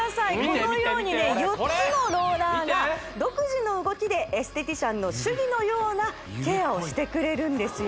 このようにね４つのローラーが独自の動きでエステティシャンの手技のようなケアをしてくれるんですよ